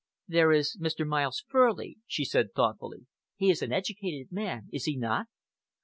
"There is Mr. Miles Furley," she said thoughtfully. "He is an educated man, is he not?"